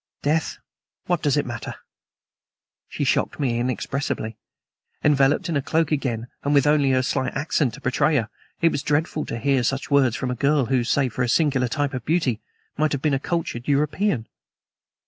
Death! What does it matter?" She shocked me inexpressibly. Enveloped in her cloak again, and with only her slight accent to betray her, it was dreadful to hear such words from a girl who, save for her singular type of beauty, might have been a cultured European.